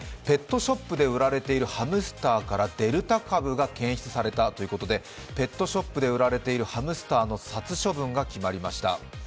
ペットショップで売られているハムスターからデルタ株が検出されたということで、ペットショップで売られているハムスターの殺処分が決まりました。